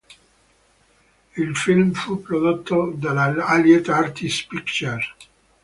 Il film fu prodotto dall'Allied Artists Pictures.